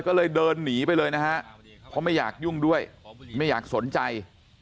ก็เลยเดินหนีไปเลยนะฮะเพราะไม่อยากยุ่งด้วยไม่อยากสนใจ